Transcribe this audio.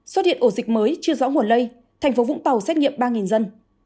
xuất hiện ổ dịch mới chưa rõ nguồn lây tp hcm xét nghiệm ba dân